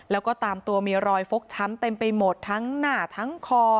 แล้วก็ตามตัวมีรอยฟกช้ำเต็มไปหมดทั้งหน้าทั้งคอ